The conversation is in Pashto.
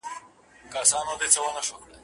د طاووس تخت یې هم بار کړ پر پیلانو